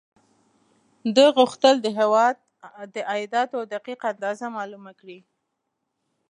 ده غوښتل د هېواد د عایداتو دقیق اندازه معلومه کړي.